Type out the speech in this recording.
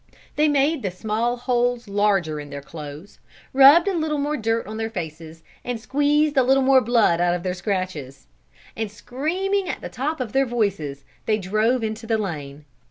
They made the small holes larger in their clothes, rubbed a little more dirt on their faces, and squeezed a little more blood out of their scratches; and screaming at the top of their voices, they drove into the lane.